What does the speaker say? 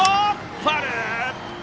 ファウル！